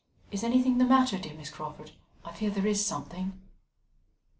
Is anything the matter, dear Miss Crawford? I fear there is something."